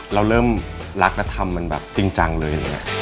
เราเริ่มรักนักทำมันแบบจริงจังเลย